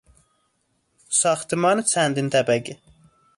ساختمان چندین طبقه